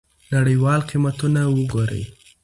نړیوال قیمتونه وګورئ.